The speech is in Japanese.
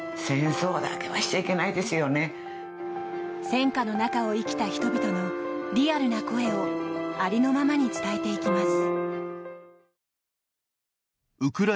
戦火の中を生きた人々のリアルな声をありのままに伝えていきます。